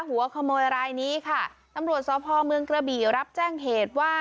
หัวขโมยรายนี้ค่ะตำรวจสพเมืองกระบี่รับแจ้งเหตุว่า